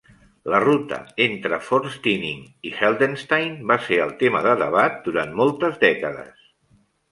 La ruta entre Forstinning i Heldenstein va ser el tema de debat durant moltes dècades.